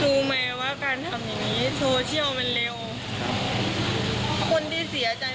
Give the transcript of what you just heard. รู้ไหมว่าการทำอย่างงี้โซเชียลมันเร็วครับคนที่เสียใจ